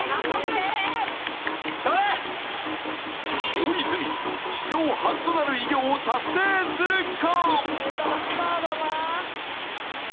大泉史上初となる偉業を達成するか？